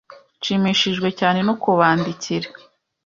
Nshimishijwe cyane no kubandikira